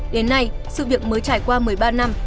đến nay sự việc mới trải qua một mươi ba năm